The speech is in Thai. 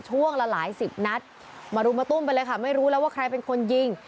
ช่วงละหลายสิบนัดมารุมมาตุ้มไปเลยค่ะไม่รู้แล้วว่าใครเป็นคนยิง